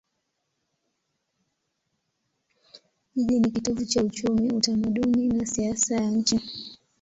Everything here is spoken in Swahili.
Jiji ni kitovu cha uchumi, utamaduni na siasa ya nchi.